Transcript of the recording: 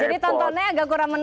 jadi tontonnya agak kurang menarik